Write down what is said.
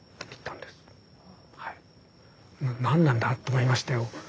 何なんだと思いましたよ。